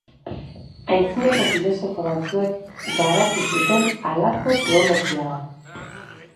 Antzinako filosofo batzuek garatu zuten halako teologia bat.